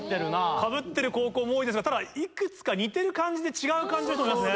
かぶってる高校も多いですがただいくつか似てる漢字で違う漢字の人もいますね。